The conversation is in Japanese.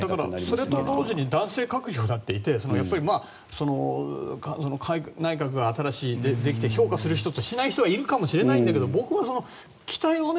それと同時に男性閣僚だっていて内閣が新しくできて評価する人としない人がいるかもしれないけども僕は期待をね。